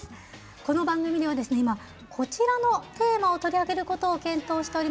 この番組では今こちらのテーマを取り上げることを検討しております。